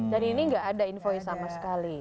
dan ini enggak ada invoice sama sekali